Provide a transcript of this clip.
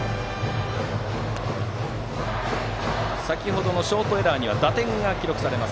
先程のショートエラーには打点も記録されます。